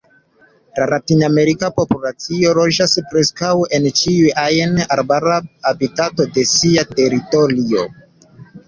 La latinamerika populacio loĝas preskaŭ en ĉiuj ajn arbara habitato de sia teritorio.